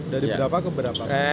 dari berapa ke berapa